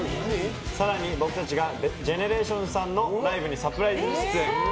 更に、僕たちがＧＥＮＥＲＡＴＩＯＮＳさんのライブにサプライズ出演！